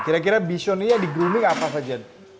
kira kira bishon ini ya di grooming apa saja